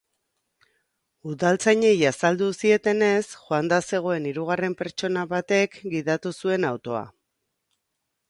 Udaltzainei azaldu zietenez, joanda zegoen hirugarren pertsona batek gidatu zuen autoa.